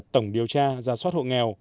tổng điều tra ra soát hộ nghèo